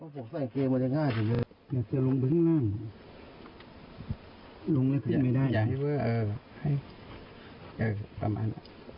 ประมาณนั้น